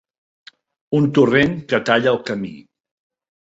Un torrent que talla el camí.